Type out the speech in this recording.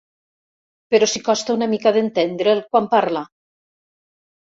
Però si costa una mica d'entendre'l, quan parla!